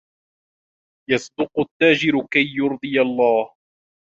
يَصْدُقُ التَّاجِرُ كَيْ يُرْضِيَ اللهُ.